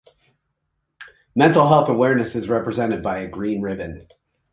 Mental Health Awareness is represented by a green ribbon.